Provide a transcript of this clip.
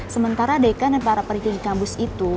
sementara deka dan para perikil di kampus itu